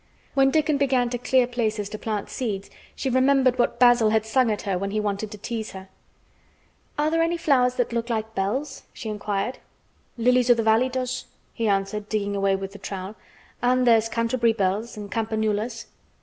When Dickon began to clear places to plant seeds, she remembered what Basil had sung at her when he wanted to tease her. "Are there any flowers that look like bells?" she inquired. "Lilies o' th' valley does," he answered, digging away with the trowel, "an' there's Canterbury bells, an' campanulas."